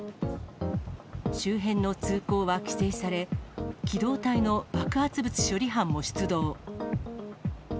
周辺の通行は規制され、機動隊の爆発物処理班も出動。